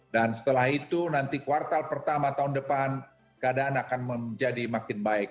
dan setelah itu nanti kuartal pertama tahun depan keadaan akan menjadi makin baik